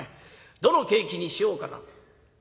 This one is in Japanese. どのケーキにしようかな悩んでた。